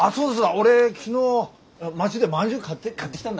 俺昨日町でまんじゅう買って買ってきたんだ。